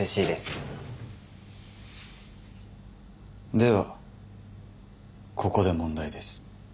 ではここで問題です。